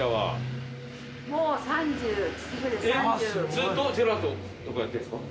ずっとジェラートとかやってるんですか？